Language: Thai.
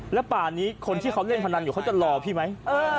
แล้วป่านี้คนที่เขาเล่นพนันอยู่เขาจะรอพี่ไหม